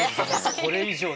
これ以上ね